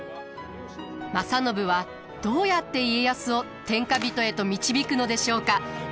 正信はどうやって家康を天下人へと導くのでしょうか？